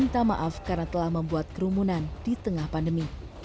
minta maaf karena telah membuat kerumunan di tengah pandemi